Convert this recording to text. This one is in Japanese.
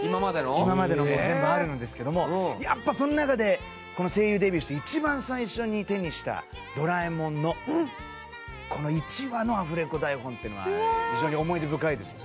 今までのも全部あるんですけどもやっぱりその中で声優デビューして一番最初に手にした『ドラえもん』のこの１話のアフレコ台本っていうのは非常に思い出深いです。